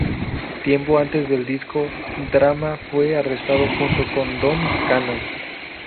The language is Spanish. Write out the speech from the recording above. Tiempo antes del disco Drama fue arrestado junto con Don Cannon.